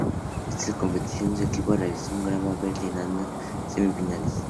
En esta competición su equipo realizó un gran papel llegando a semifinales.